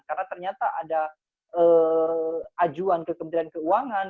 karena ternyata ada ajuan ke kementerian keuangan